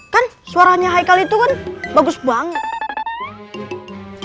kan suaranya haikal itu kan bagus banget